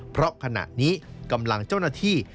เพราะขณะนี้กำลังเจ้าหน้าที่